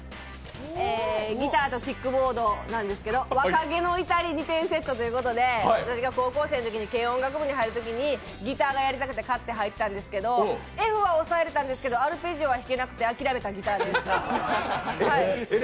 ギターとキックボードなんですけど、若気の至り２点セットということで私が高校生のときに軽音楽部に入ったときにギターがやりたくて買ったんですけれども、Ｆは押さえれたんですけどアルペジオは弾けなくて諦めました。